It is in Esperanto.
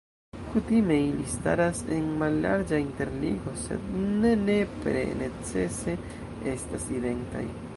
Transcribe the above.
Kutime ili staras en mallarĝa interligo, sed ne nepre necese estas identaj.